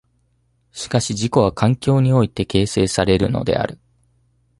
しかし自己は環境において形成されるのである。